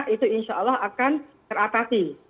itu insya allah akan teratasi